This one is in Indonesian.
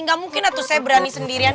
gak mungkin atuh saya berani sendirian